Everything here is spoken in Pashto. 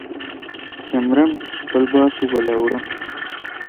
که مرم ، خپل بار خو به لا وړم.